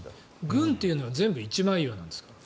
軍というのは全部一枚岩なんですか？